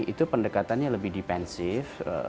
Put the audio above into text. itu pendekatannya lebih dipensif